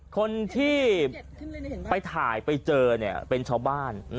คนที่ไปถ่ายไปเจอเป็นชาวบ้าน